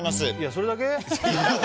それだけ？